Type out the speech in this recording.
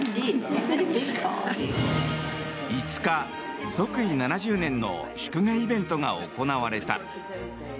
５日、即位７０年の祝賀イベントが行われた。